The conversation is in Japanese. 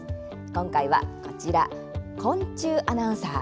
今回はこちら、昆虫アナウンサー。